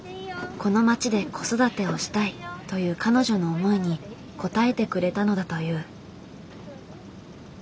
「この町で子育てをしたい」という彼女の思いに応えてくれたのだという。